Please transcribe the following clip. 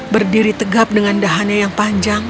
berdiri tegap dengan dahannya yang panjang